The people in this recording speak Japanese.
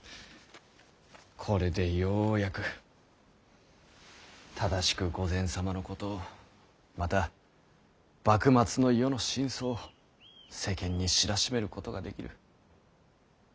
これでようやく正しく御前様のことをまた幕末の世の真相を世間に知らしめることができる。